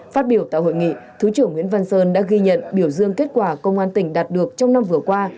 phát biểu tại hội nghị thứ trưởng nguyễn văn sơn đã ghi nhận biểu dương kết quả công an tỉnh đạt được trong năm vừa qua